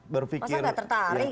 masa nggak tertarik